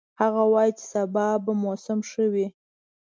هغه وایي چې سبا به موسم ښه وي